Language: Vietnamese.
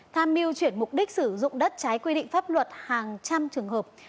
tham mưu chuyển mục đích sử dụng đất trái quy định pháp luật hàng trăm trường hợp